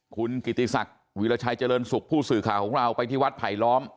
คุณกิติศักดิ์วิราชัยเจริญสุขผู้สื่อข่าวของเราไปที่วัดไผลล้อม